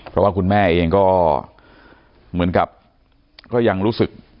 เพราะว่าคุณแม่เองก็เหมือนกับก็ยังรู้สึก